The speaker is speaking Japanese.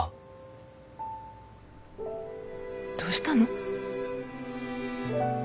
どうしたの？